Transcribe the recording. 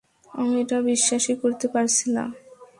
আমি এটা বিশ্বাসই করতে পারছি না!